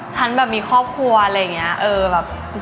ฉันมีครอบครัวอะไรแบบนี้